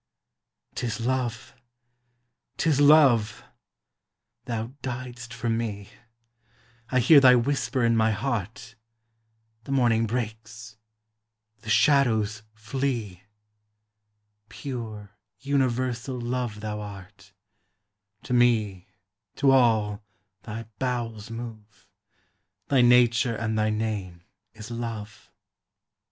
'T is Love! 't is Love! Thou diedst for me; I hear thy whisper in my heart; The morning breaks, the shadows flee; Pure, universal Love thou art; To me, to all, thy bowels move; Thy nature and thy name is Love.